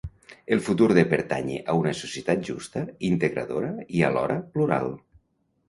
El futur de pertànyer a una societat justa, integradora i alhora plural.